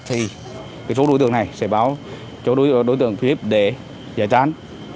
thì số đối tượng này sẽ báo cho đối tượng phía để giải tán